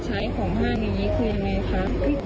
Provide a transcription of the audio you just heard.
อ้าวค่ะ